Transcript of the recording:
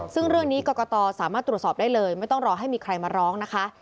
ซึ่งเรื่องนี้กรกตสามารถตรวจสอบได้เลยไม่ต้องรอให้มีใครมาร้องนะคะ